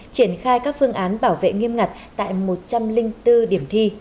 triển khai các phương án bảo vệ nghiêm ngặt tại một trăm linh bốn điểm thi